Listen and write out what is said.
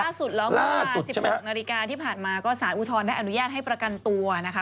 ล่าสุดแล้วก็๑๖นาฬิกาที่ผ่านมาก็สารอุทธรณ์ได้อนุญาตให้ประกันตัวนะคะ